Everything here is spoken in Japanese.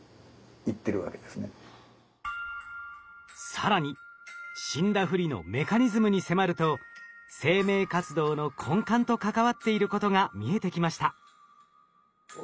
更に死んだふりのメカニズムに迫ると生命活動の根幹と関わっていることが見えてきました。